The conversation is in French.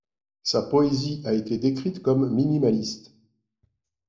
Sa poésie a été décrite comme minimaliste.